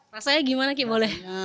rasanya gimana kik boleh